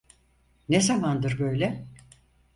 Ne zamandır böyle?